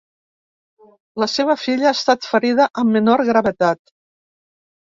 La seva filla ha estat ferida amb menor gravetat.